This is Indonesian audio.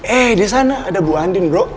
eh disana ada bu andin bro